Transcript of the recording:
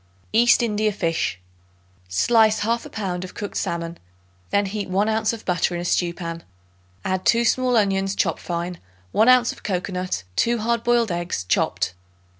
East India Fish. Slice 1/2 pound of cooked salmon; then heat 1 ounce of butter in a stew pan; add 2 small onions chopped fine, 1 ounce of cocoanut, 2 hard boiled eggs chopped.